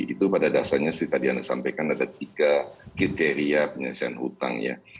itu pada dasarnya seperti tadi anda sampaikan ada tiga kriteria penyelesaian hutang ya